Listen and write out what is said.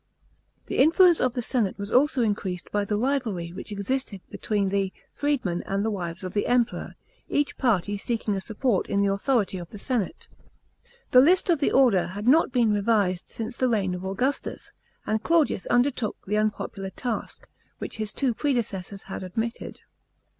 The influence of the senate was also increased by the rivalry which existed between the 1'reedmen and the wives of the Emperor, each party seeking a support in the authority of the senate. The list of the order had not been revised since the reign of Augustus, and Claudius undertook the unpopular task, which his two predecessors had omitted.